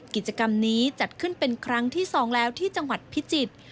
กิจกรรมนี้จัดขึ้นเป็นครั้งที่๒แล้วที่จังหวัดพิจิตร